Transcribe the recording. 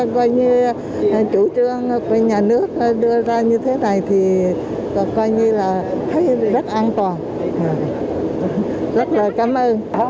coi như chủ trương của nhà nước đưa ra như thế này thì coi như là thấy rất an toàn rất là cảm ơn